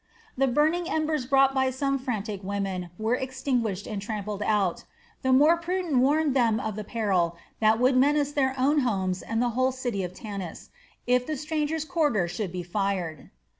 The burning embers brought by some frantic women were extinguished and trampled out; the more prudent warned them of the peril that would menace their own homes and the whole city of Tanis, if the strangers' quarter should be fired.